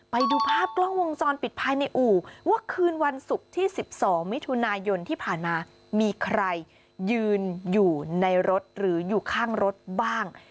ไปดูภาพกล้องวงจรปิดภายในอู่ว่าคืนวันศุกร์ที่๑๒มิถุนายนที่ผ่านมามีใครยืนอยู่ในรถหรืออยู่ข้างรถบ้าง